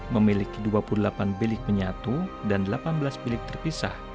memiliki dua puluh delapan bilik penyatu dan delapan belas bilik terpisah